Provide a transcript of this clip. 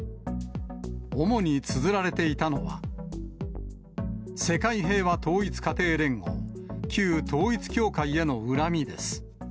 主につづられていたのは、世界平和統一家庭連合、旧統一教会への恨みです。